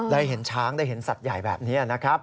ได้เห็นช้างได้เห็นสัตว์ใหญ่แบบนี้นะครับ